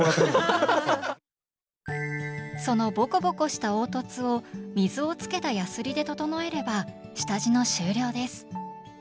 そのボコボコした凹凸を水をつけたヤスリで整えれば下地の終了です。